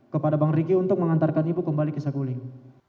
kepada bang riki untuk mengantarkan ibu kembali ke saguling